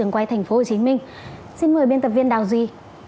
quay thành phố hồ chí minh xin mời biên tập viên đào duy